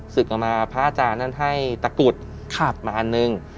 สึกออกมาพระอาจารย์นั้นให้ตะกุดมาอันหนึ่ง